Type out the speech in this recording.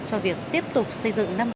cho việc tiếp tục xây dựng năm nay